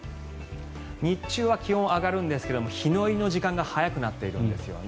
日中は気温が上がるんですが日の入りの時間が早くなっているんですよね。